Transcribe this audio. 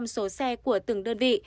năm mươi số xe của từng đơn vị